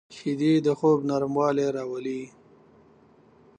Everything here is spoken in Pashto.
شیدې د خوب نرموالی راولي